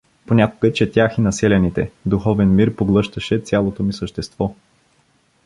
Понякога четях и на селяните, духовен мир поглъщаше цялото ми същество.